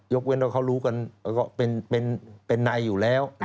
เว้นว่าเขารู้กันเป็นในอยู่แล้ว